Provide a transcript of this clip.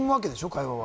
会話は。